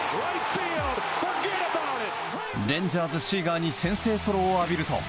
レンジャーズ、シーガーに先制ソロを浴びると。